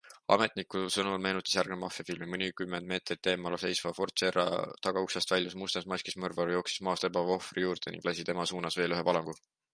Ametniku sõnul meenutas järgnev maffiafilmi - mõnikümmend meetrit eemal seisva Ford Sierra tagauksest väljus mustas maskis mõrvar, jooksis maas lebava ohvri juurde ning lasi tema suunas veel ühe valangu.